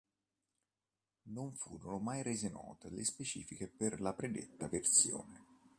Non furono mai rese note le specifiche per la predetta versione.